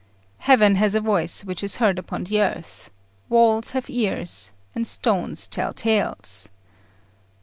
"Heaven has a voice which is heard upon the earth. Walls have ears, and stones tell tales.